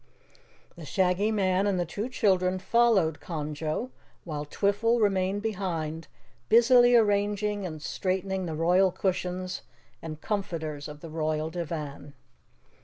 The Shaggy Man and the two children followed Conjo, while Twiffle remained behind, busily arranging and straightening the royal cushions and comforters of the regal divan.